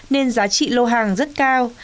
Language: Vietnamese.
nên giá trị lô hàng rất cao